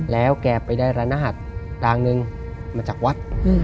แล้วแกไปได้ระนาหัสรางนึงมาจากวัด